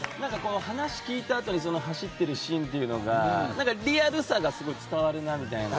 話を聞いたあとに走っているシーンがリアルさがすごい伝わるなみたいな。